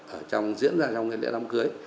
ở trong diễn ra trong cái lễ đám cưới